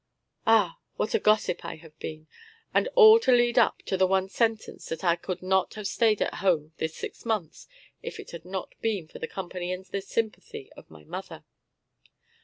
Ah! what a gossip I have been! And all to lead up to the one sentence that I could not have stayed at home this six months if it had not been for the company and the sympathy of my mother.